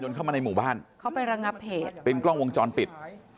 เข้ามาในหมู่บ้านเข้าไประงับเหตุเป็นกล้องวงจรปิด